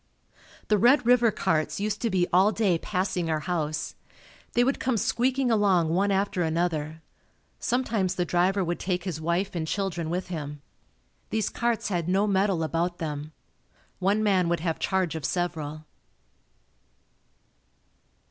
The Red River carts used to be all day passing our house. They would come squeaking along one after another. Sometimes the driver would take his wife and children with him. These carts had no metal about them. One man would have charge of several.